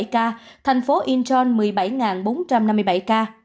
hai mươi hai chín trăm một mươi bảy ca thành phố incheon một mươi bảy bốn trăm năm mươi bảy ca